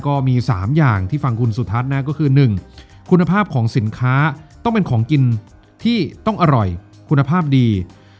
ก็มี๓อย่างที่ฟังคุณสุทัศน์นะก็คือ๑คุณภาพของสินค้าต้องเป็นของกินที่ต้องอร่อยคุณภาพดี